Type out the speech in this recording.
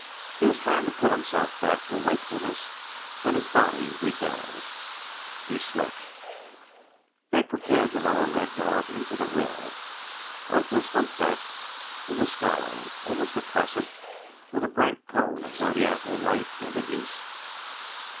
He was trying to pull himself back to wakefulness when his body rebelled. He slept. They prepared to lower Red Dog into the rill. Earth was humpbacked in the sky, almost a crescent, with a bright cone of zodiacal light in the east.